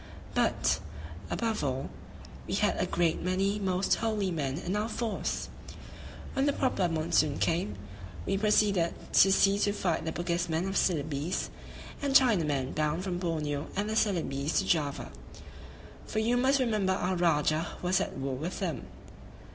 but, above all, we had a great many most holy men in our force! When the proper monsoon came, we proceeded to sea to fight the Bugismen [of Celebes] and Chinamen bound from Borneo and the Celebes to Java; for you must remember our Rajah was at war with them.